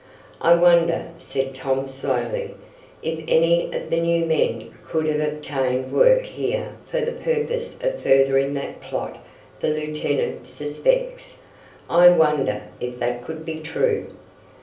"I wonder," said Tom slowly, "if any of the new men could have obtained work here for the purpose of furthering that plot the lieutenant suspects? I wonder if that could be true?"